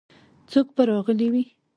څوک به راغلي وي.